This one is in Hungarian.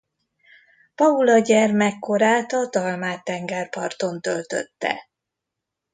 Paula gyermekkorát a dalmát tengerparton töltötte.